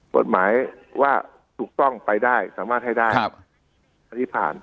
กฎหมายว่าถูกต้องไปได้สามารถให้ได้ครับอันนี้ผ่าน